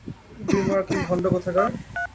Dreamwalking, ভন্ড কোথাকার!